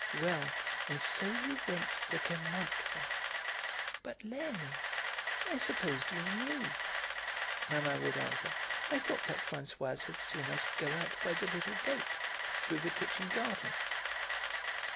Well, and so you went the Guermantes way?" "But, Leonie, I supposed you knew," Mamma would answer. "I thought that Françoise had seen us go out by the little gate, through the kitchen garden."